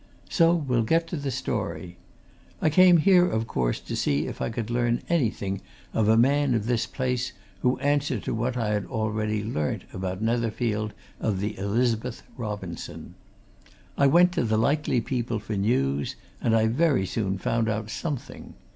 So we'll get to the story. I came here, of course, to see if I could learn anything of a man of this place who answered to what I had already learnt about Netherfield of the Elizabeth Robinson. I went to the likely people for news, and I very soon found out something.